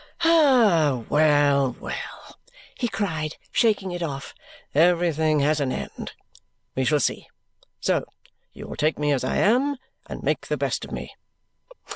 "Well, well!" he cried, shaking it off. "Everything has an end. We shall see! So you will take me as I am, and make the best of me?"